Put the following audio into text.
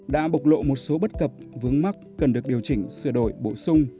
đã bộc lộ một số bất cập vướng mắc cần được điều chỉnh sửa đổi bổ sung